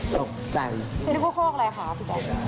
อ๋อสกใจที่นึกว่าคลอกอะไรคะสุดยอด